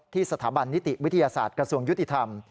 สถาบันนิติวิทยาศาสตร์กระทรวงยุติธรรม